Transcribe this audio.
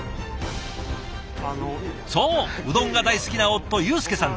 そううどんが大好きな夫祐扶さんです。